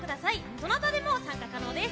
どなたでも参加可能です。